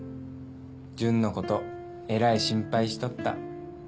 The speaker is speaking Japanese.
純のことえらい心配しとった。